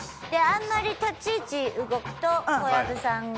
あんまり立ち位置動くと小籔さんが動きますから。